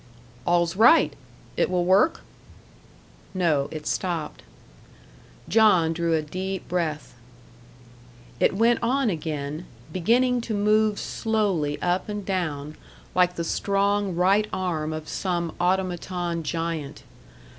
"All's right! it will work?" No, it stopped. John drew a deep breath. It went on again, beginning to move slowly up and down, like the strong right arm of some automaton giant.